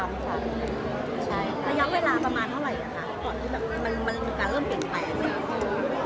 ระยะเวลาประมาณเท่าไหร่ก่อนที่แบบมันมีการเริ่มเปลี่ยนแปลง